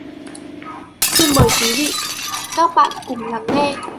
Xin mời quý vị các bạn cùng lắng nghe